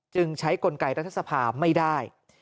จึงใช้กลไกรัฐสภาไม่ได้